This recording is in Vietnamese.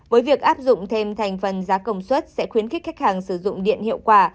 với việc áp dụng thêm thành phần giá công suất sẽ khuyến khích khách hàng sử dụng điện hiệu quả